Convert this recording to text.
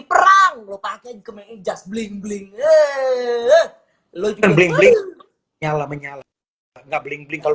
perang lupa ke kemeja bling bling eh lu jalan bling bling nyala nyala nggak bling bling kalau